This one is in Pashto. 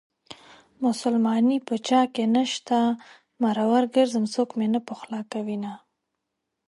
مسلماني په چاكې نشته مرور ګرځم څوك مې نه پخولاكوينه